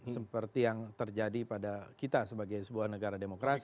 seperti yang terjadi pada kita sebagai sebuah negara demokrasi